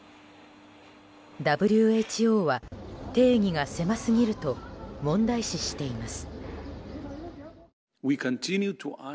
ＷＨＯは定義が狭すぎると問題視しています。